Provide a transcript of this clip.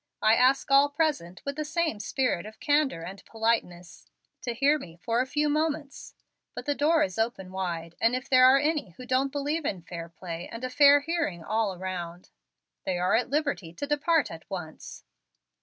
I ask all present, with the same spirit of candor and politeness, to hear me for a few moments. But the door is open wide, and if there are any who don't believe in fair play and a fair hearing all around, they are at liberty to depart at once."